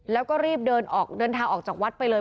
แล้วก็รีบเดินออกเดินทางออกจากวัดไปเลย